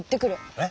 えっ？